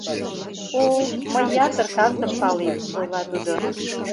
— О, мый ятыр картым палем, — ойла тудо.